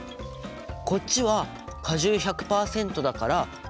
こっちは果汁１００％だから純物質。